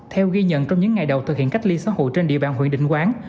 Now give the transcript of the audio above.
theo ghi nhận trong những ngày đầu thực hiện cách ly xã hội trên địa bàn huyện định quán